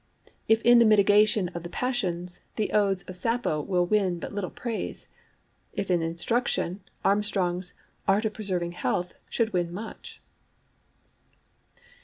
if in the mitigation of the passions, the Odes of Sappho will win but little praise: if in instruction, Armstrong's Art of preserving Health should win much.